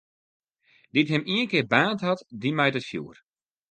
Dy't him ienkear baarnd hat, dy mijt it fjoer.